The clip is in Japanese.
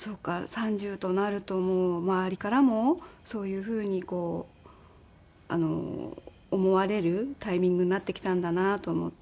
３０となると周りからもそういうふうにこう思われるタイミングになってきたんだなと思って。